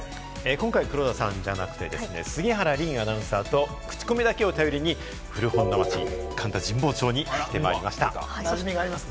今回は黒田さんじゃなくて、杉原凜アナウンサーと、クチコミだけを頼りに、古本の街、神田・神保町に行ってまいりました。